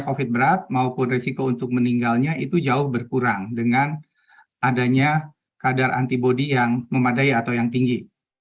survei dilakukan di seratus kabupaten kota di tiga puluh empat provinsi di indonesia menggunakan questionnaire